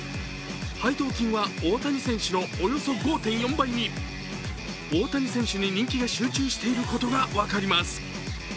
配当金は大谷選手のおよそ５．４倍に大谷選手に人気が集中していることが分かります。